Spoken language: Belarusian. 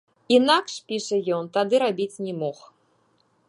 Інакш, піша ён, тады рабіць не мог.